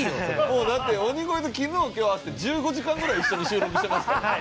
もうだって鬼越と昨日今日会って１５時間ぐらい一緒に収録してますから。